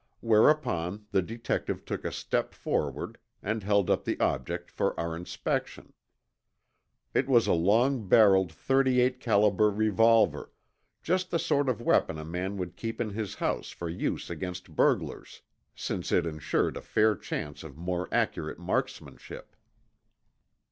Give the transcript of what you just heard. Whereupon the detective took a step forward and held up the object for our inspection. It was a long barreled thirty eight caliber revolver, just the sort of weapon a man would keep in his house for use against burglars, since it insured a fair chance of more accurate marksmanship.